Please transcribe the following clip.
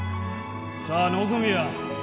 さあ望みや！